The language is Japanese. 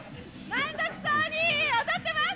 満足そうに踊ってます。